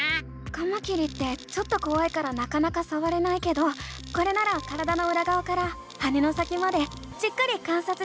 カマキリってちょっとこわいからなかなかさわれないけどこれなら体のうらがわから羽の先までじっくり観察できるね！